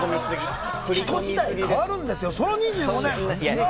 ひと時代変わるんですよ、その２５年。